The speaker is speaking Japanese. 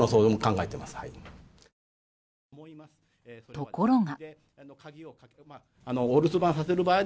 ところが。